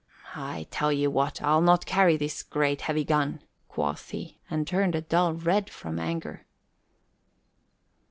"I tell ye what, I'll not carry this great heavy gun," quoth he, and turned a dull red from anger.